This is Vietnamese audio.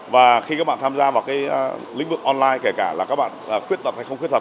và khi các bạn tham gia vào lĩnh vực online kể cả là các bạn khuyết tật hay không khuyết thật